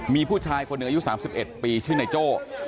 มีผู้ชายคนหนึ่งอายุ๓๑ปีชื่อนายโจ้